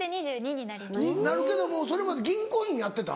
になるけどもそれまで銀行員やってた？